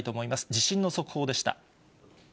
地震の速報でした。